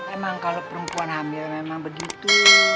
emang kalau perempuan hamil memang begitu